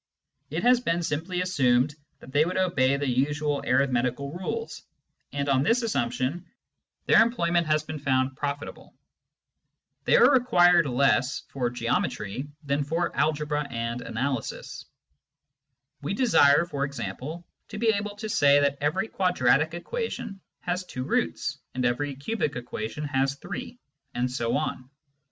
It has been simply assumed that they would obey the usual arithmetical rules, and on this assumption their employ ment has been found profitable. They are required less for geometry than for algebra and analysis. We desire, for example, to be able to say that every quadratic equation has two roots, and every cubic equation has three, and so on.